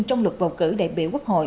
trong luật bầu cử đại biểu quốc hội